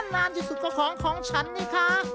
นานที่สุดก็ของของฉันนี่คะ